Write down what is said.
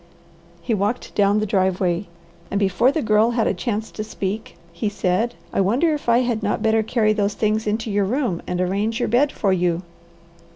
He walked down the driveway, and before the Girl had a chance to speak, he said, "I wonder if I had not better carry those things into your room, and arrange your bed for you."